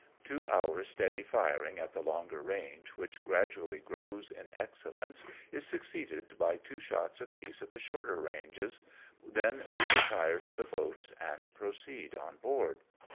Two hours' steady firing at the longer range, which gradually grows in excellence^ is succeeded by two shots apiece at the shorter ranges, then we retire to the boats, and proceed on board.